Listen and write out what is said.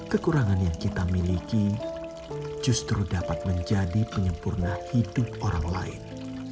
kekurangan yang kita miliki justru dapat menjadi penyempurna hidup orang lain